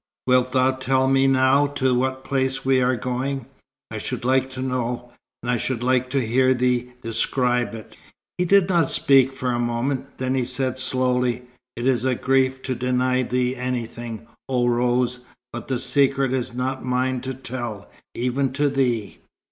"Wilt thou tell me now to what place we are going? I should like to know, and I should like to hear thee describe it." He did not speak for a moment. Then he said slowly; "It is a grief to deny thee anything, oh Rose, but the secret is not mine to tell, even to thee."